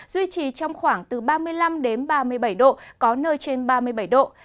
duy trì trong khoảng từ ba mươi năm đến ba mươi bảy độ có nơi trên ba mươi bảy độ